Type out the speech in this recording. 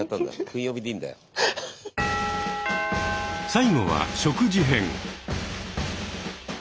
最後は食事編。